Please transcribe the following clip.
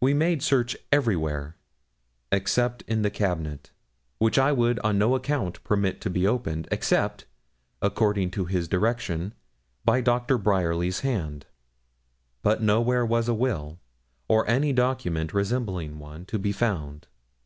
We made search everywhere, except in the cabinet, which I would on no account permit to be opened except, according to his direction, by Dr. Bryerly's hand. But nowhere was a will, or any document resembling one, to be found.